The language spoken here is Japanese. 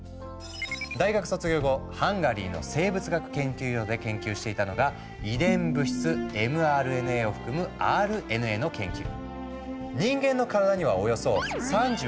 大学卒業後ハンガリーの生物学研究所で研究していたのが遺伝物質ｍＲＮＡを含む「ＲＮＡ」の研究。